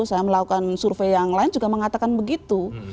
saya melakukan survei yang lain juga mengatakan begitu